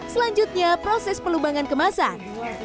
selanjutnya proses pelubangan kemasan